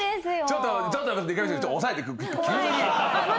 ちょっと。